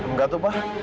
nggak tuh pak